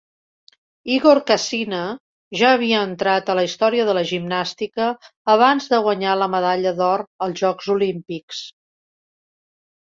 Igor Cassina ja havia entrat a la història de la gimnàstica abans de guanyar la medalla d'or als jocs olímpics.